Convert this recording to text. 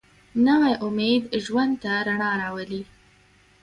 نوی امید ژوند ته رڼا راولي